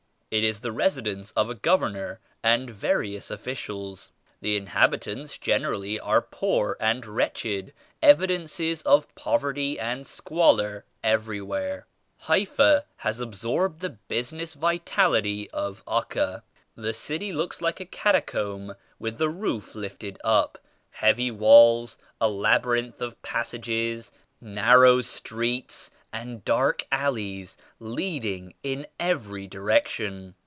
It is the residence of a governor and various officials. The in habitants generally are poor and wretched ; evi dences of poverty and squalor everywhere. Haifa has absorbed the business vitality of Acca. The city looks like a catacombs with the roof lifted up ; heavy walls, a labyrinth of passages, narrow streets and dark alleys leading in every direction.